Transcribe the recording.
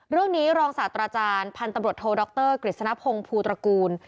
เรื่องนี้รองศาสตราจารย์พันธุ์ตำรวจโทดรกฤษณพงศ์ภูตระกูล